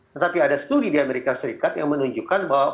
tetapi ada studi di amerika serikat yang menunjukkan bahwa